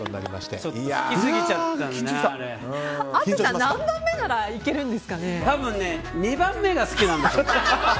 淳さん何番目なら多分、２番目が好きなんです。